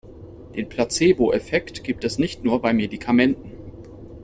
Den Placeboeffekt gibt es nicht nur bei Medikamenten.